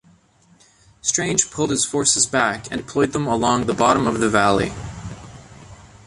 Strange pulled his forces back and deployed them along the bottom of the valley.